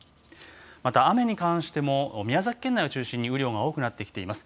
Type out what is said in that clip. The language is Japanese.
また雨に関しても、宮崎県内を中心に雨量が多くなってきています。